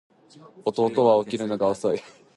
弟は起きるのが遅い